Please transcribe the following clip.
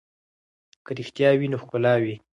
که رښتیا وي نو ښکلا وي.